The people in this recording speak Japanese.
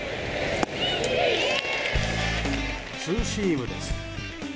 ツーシームです。